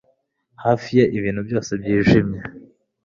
hafi ye ibintu byose byijimye